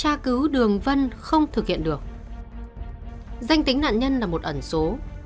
công tác tra cứu đường vân không thực hiện được danh tính nạn nhân là một ẩn số